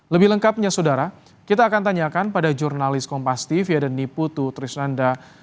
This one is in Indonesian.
lebih lengkapnya saudara kita akan tanyakan pada jurnalis kompas tv yadani putu trisnanda